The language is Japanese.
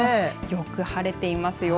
よく晴れてますよ。